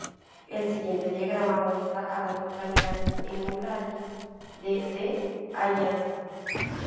El siguiente diagrama muestra a las localidades en un radio de de Alliance.